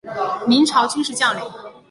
明朝军事将领。